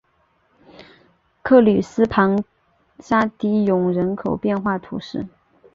克吕斯旁沙提永人口变化图示